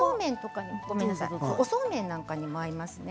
おそうめんなんかにも合いますね。